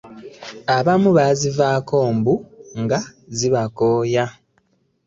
Abamu baazivaako mbu nga zibakooya.